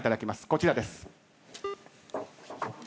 こちらです。